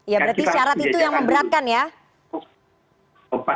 ya berarti syarat itu yang memberatkan ya